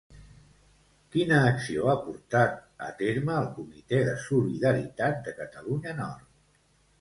Quina acció ha portat a terme el Comitè de Solidaritat de Catalunya Nord?